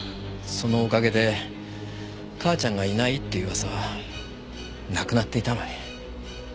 そのおかげで母ちゃんがいないって噂はなくなっていたのに。